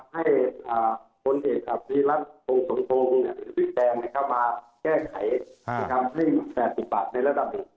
ให้ผลเหตุธีรัฐตรงพี่แจงมาแก้ไขได้๘๐บาทในระดับหนึ่ง